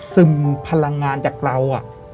ซึมพลังงานจากเราอะ